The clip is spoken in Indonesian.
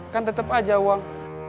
kan tetap saja uang